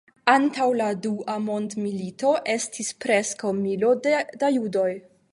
Antaŭ la Dua Mondmilito estis preskaŭ milo da judoj.